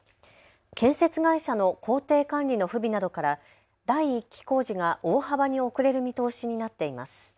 建設会社の工程管理の不備などから第１期工事が大幅に遅れる見通しになっています。